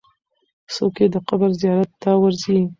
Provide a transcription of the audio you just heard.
څوک یې د قبر زیارت ته ورځي؟